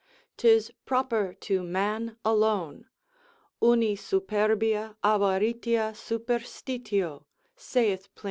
'Tis proper to man alone, uni superbia, avaritia, superstitio, saith Plin.